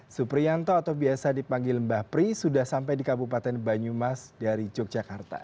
suprianto atau biasa dipanggil mbah pri sudah sampai di kabupaten banyumas dari yogyakarta